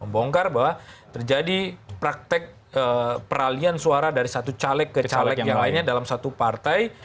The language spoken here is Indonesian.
membongkar bahwa terjadi praktek peralian suara dari satu caleg ke caleg yang lainnya dalam satu partai